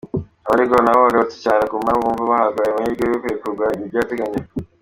Abaregwa nabo bagarutse cyane ku mpamvu bumva bahabwa ayo mahirwe yo kurekurwa by’agateganyo.